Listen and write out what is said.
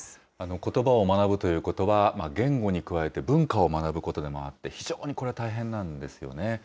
ことばを学ぶということは、言語に加えて文化を学ぶことでもあって、非常にこれ、大変なんですよね。